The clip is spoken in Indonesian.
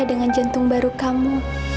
dengan jantung baru kamu